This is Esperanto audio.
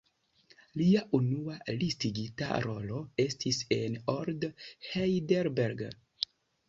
Lia unua listigita rolo estis en "Old Heidelberg".